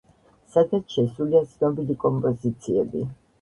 სადაც შესულია ცნობილი კომპოზიციები.